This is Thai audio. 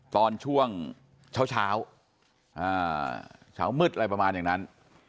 ตอนช่วงเช้าเช้ามืดอะไรประมาณอย่างนั้น